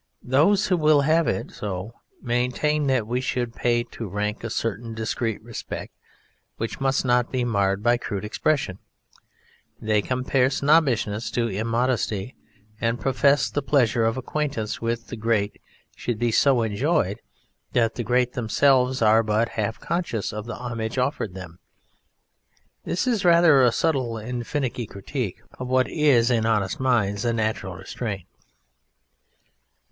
Those who will have it so maintain that we should pay to rank a certain discreet respect which must not be marred by crude expression. They compare snobbishness to immodesty, and profess that the pleasure of acquaintance with the great should be so enjoyed that the great themselves are but half conscious of the homage offered them: this is rather a subtle and finicky critique of what is in honest minds a natural restraint.